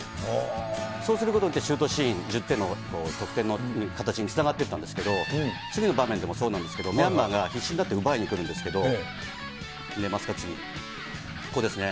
走することによって、シュートシーン、１０点の得点の形につながっていったんですけど、次の場面でもそうなんですけれども、ミャンマーが必死になって奪いに来るんですけど、出ますか、継ぎ、ここですね。